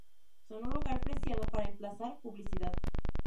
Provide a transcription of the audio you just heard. Son un lugar preciado para emplazar publicidad.